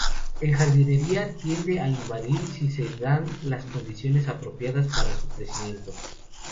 En jardinería, tiende a invadir si se dan las condiciones apropiadas para su crecimiento.